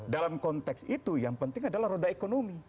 dalam konteks itu yang penting adalah roda ekonomi